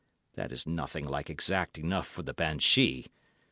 That is nothing like exact enough for the banshee.